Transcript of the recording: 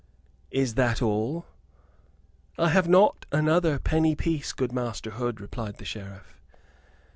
"Is that all?" "I have not another penny piece, good Master Hood," replied the Sheriff.